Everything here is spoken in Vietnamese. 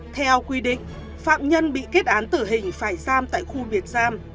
theo quy định phạm nhân bị kết án tử hình phải giam tại khu biệt giam